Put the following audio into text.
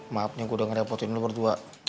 maafnya gue udah ngerepotin lo berdua